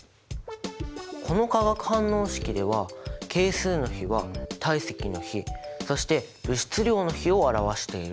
この化学反応式では係数の比は体積の比そして物質量の比を表している。